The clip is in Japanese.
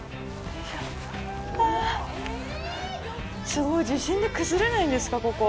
すごい、地震で崩れないんですかここ。